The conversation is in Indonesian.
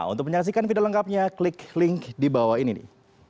untuk menyaksikan video lengkapnya klik link di bawah ini